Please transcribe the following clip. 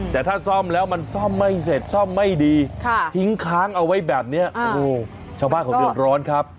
แต่ถ้าซ่อมแล้วมันซ่อมไม่เสร็จซ่อมไม่ดีทิ้งค้างเอาไว้แบบนี้โอ้โหชาวบ้านเขาเดือดร้อนครับ